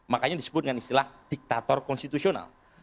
makanya disebut dengan istilah diktator konstitusional